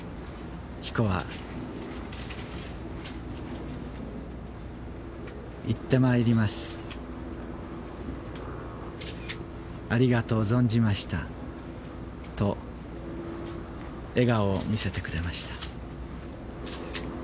紀子は、行ってまいります、ありがとう存じましたと、笑顔を見せてくれました。